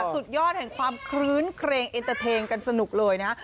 สุดยอดแห่งความคลื้นเครงเอ็นเตอร์เทนกันสนุกเลยนะ